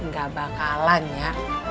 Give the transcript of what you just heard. gak bakalan ya